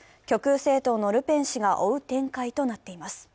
極右政党のルペン氏が追う展開となっています。